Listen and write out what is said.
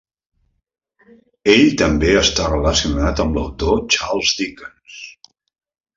Ell també està relacionat amb l'autor Charles Dickens.